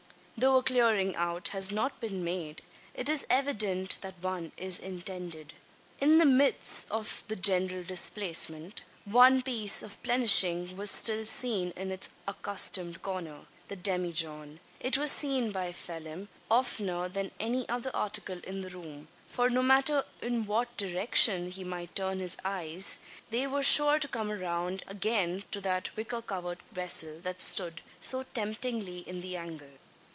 Though a clearing out has not been made, it is evident that one is intended. In the midst of the general displacement, one piece of plenishing was still seen in its accustomed corner the demijohn. It was seen by Phelim, oftener than any other article in the room: for no matter in what direction he might turn his eyes, they were sure to come round again to that wicker covered vessel that stood so temptingly in the angle.